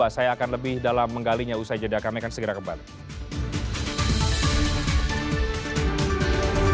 saya akan lebih dalam menggalinya usai jeda kami akan segera kembali